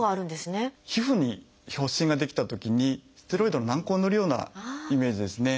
皮膚に発疹が出来たときにステロイドの軟膏を塗るようなイメージですね。